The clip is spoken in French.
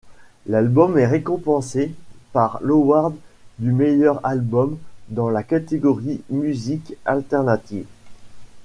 L'album est récompensé par l'award du meilleur album dans la catégorie musique alternative.